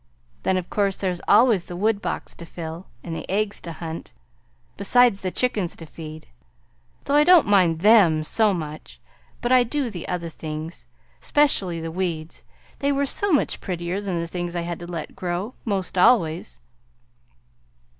Then, of course, there's always the woodbox to fill, and the eggs to hunt, besides the chickens to feed, though I don't mind THEM so much; but I do the other things, 'specially the weeds. They were so much prettier than the things I had to let grow, 'most always."